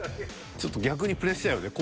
ちょっと逆にプレッシャーよね。